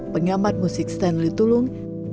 pengamat musik stanley tulung